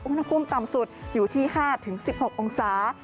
อุณหภูมิต่ำสุดอยู่ที่๕๑๖องศา